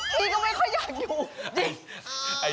พี่ก็ไม่ค่อยอยากอยู่จริง